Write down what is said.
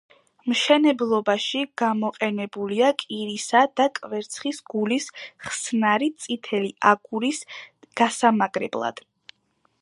მშენებლობაში გამოყენებულია კირისა და კვერცხის გულის ხსნარი წითელი აგურის გასამაგრებლად.